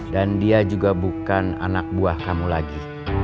dan dia juga bukan anak buah kamu lagi